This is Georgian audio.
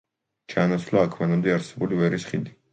ჩაანაცვლა აქ მანამდე არსებული ვერის ხიდი.